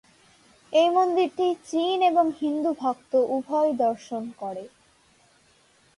এই মন্দিরটি চীন এবং হিন্দু ভক্ত উভয়ই দর্শন করে।